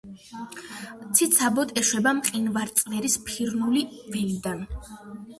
ციცაბოდ ეშვება მყინვარწვერის ფირნული ველიდან.